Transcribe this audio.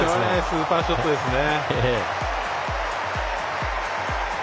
スーパーショットでしたね。